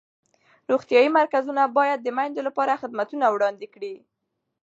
روغتیایي مرکزونه باید د میندو لپاره خدمتونه وړاندې کړي.